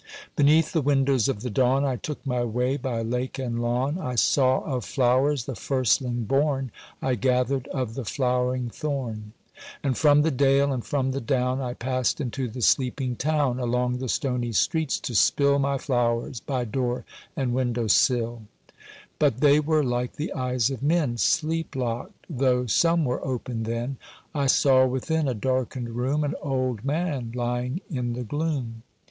Beneath the windows of the dawn I took my way, by lake and lawn, I saw of flowers the firstling born, I gathered of the flowering thorn: And from the dale and from the down I passed into the sleeping town, Along the stoney streets to spill My flowers, by door and window sill: But they were like the eyes of men, Sleep locked, though some were open then: I saw within a darkened room An old man, lying in the gloom.